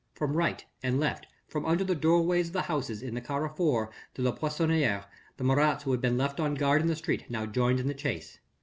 From right and left, from under the doorways of the houses in the Carrefour de la Poissonnerie the Marats who had been left on guard in the street now joined in the chase.